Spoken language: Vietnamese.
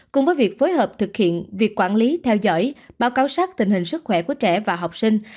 cùng với việc phối hợp thực hiện việc quản lý theo dõi báo cáo sát tình hình sức khỏe của trẻ và học sinh